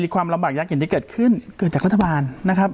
ความลำบากยากเย็นที่เกิดขึ้นเกิดจากรัฐบาลนะครับ